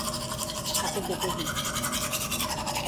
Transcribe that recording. তাকে ডেকে দিই।